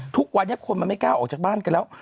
ทุกวันนี้คนมันไม่กล้าออกจากบ้านกันแล้ว